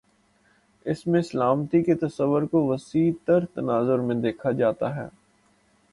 اس میں سلامتی کے تصور کو وسیع تر تناظر میں دیکھا جاتا ہے۔